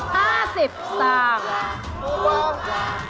มาเริ่มกับที่๕๐